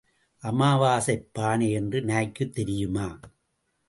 அமாவாசைப் பானை என்று நாய்க்குத் தெரியுமா?